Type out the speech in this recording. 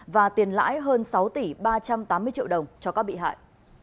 và tiền lãi hơn sáu tỷ ba trăm tám mươi triệu đồng cho các bị hại